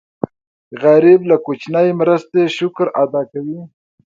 غریب له کوچنۍ مرستې شکر ادا کوي